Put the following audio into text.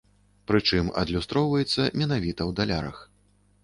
Прычым адлюстроўваецца менавіта ў далярах.